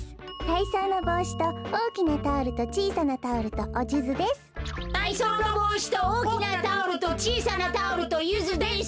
たいそうのぼうしとおおきなタオルとちいさなタオルとゆずです。